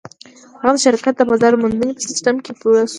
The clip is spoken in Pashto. هغه د شرکت د بازار موندنې په سيسټم پوه شو.